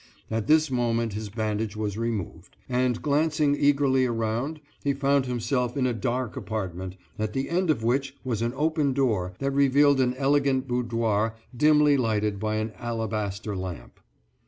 At this moment his bandage was removed, and, glancing eagerly round, he found himself in a dark apartment, at the end of which was an open door that revealed an elegant boudoir dimly lighted by an alabaster lamp.